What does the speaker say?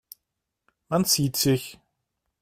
Man sieht sich.